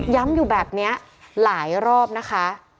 อยู่แบบนี้หลายรอบนะคะ